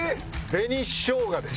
紅しょうがです。